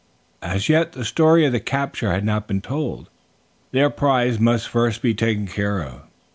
As yet the story of the capture had not been told. Their prize must first be taken care of.